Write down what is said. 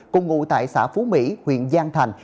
cùng ngụ tại xã phú mỹ huyện giang thành